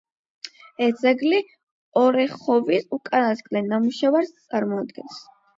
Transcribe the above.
ეს ძეგლი ორეხოვის უკანასკნელ ნამუშევარს წარმოადგენს.